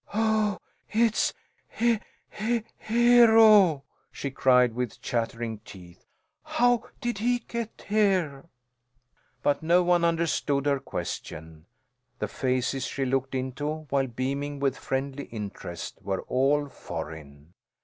"Oh, it's H Hero!" she cried, with chattering teeth. "How did he get here?" But no one understood her question. The faces she looked into, while beaming with friendly interest, were all foreign.